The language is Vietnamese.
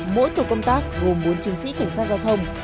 mỗi tổ công tác gồm bốn chiến sĩ cảnh sát giao thông